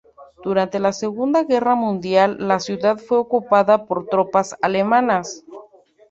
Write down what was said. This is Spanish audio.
Durante la Segunda Guerra Mundial, la ciudad fue ocupada por tropas alemanas.